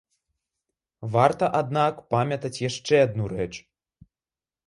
Варта, аднак, памятаць яшчэ адну рэч.